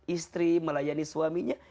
istri melayani suaminya